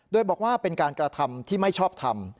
โดยบอกว่าเป็นการกระทำที่ไม่ชอบทำ